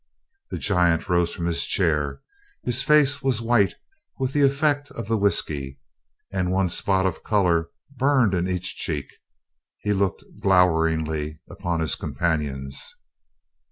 The giant rose from his chair. His face was white with the effect of the whisky, and one spot of color burned in each cheek. He looked gloweringly upon his companions.